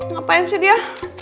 ngapain sih dia